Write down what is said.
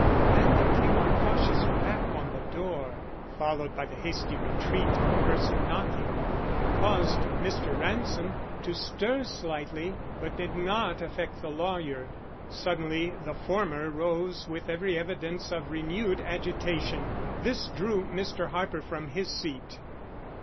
Then there came a cautious rap on the door, followed by the hasty retreat of the person knocking. It caused Mr. Ransom to stir slightly, but did not affect the lawyer. Suddenly the former rose with every evidence of renewed agitation. This drew Mr. Harper from his seat.